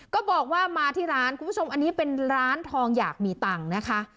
ก็บอกว่ามาที่ร้านคุณผู้ชมอันนี้เป็นร้านทองอยากมีตังค์นะคะ